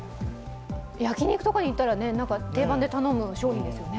焼き肉とかに行ったら、定番で頼む商品ですよね。